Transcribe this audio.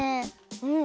うん！